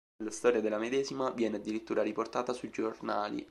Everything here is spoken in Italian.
La storia della medesima viene addirittura riportata sui giornali.